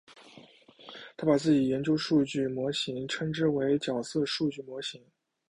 他把自己研究数据模型称之为角色数据模型。